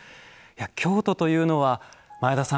京都というのは前田さん